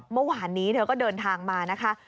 เมื่อวานนี้เธอก็เดินทางมานะคะ